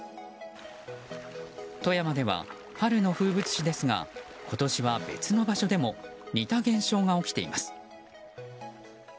富山では春の風物詩ですが今年は、別の場所でも似た現象が起きています。